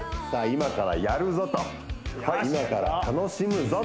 今からやるぞと今から楽しむぞ